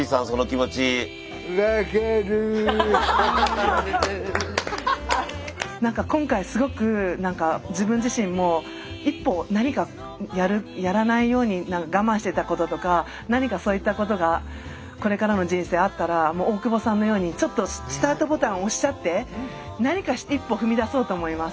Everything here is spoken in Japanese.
だってなんか今回すごく自分自身も一歩何かやらないように我慢してたこととか何かそういったことがこれからの人生あったら大久保さんのようにちょっとスタートボタン押しちゃって何か一歩踏み出そうと思います。